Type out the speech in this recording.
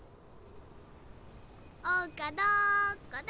おうかどこだ？